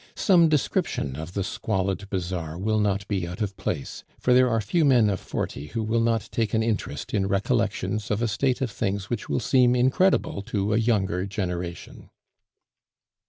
Some description of the squalid bazar will not be out of place; for there are few men of forty who will not take an interest in recollections of a state of things which will seem incredible to a younger generation.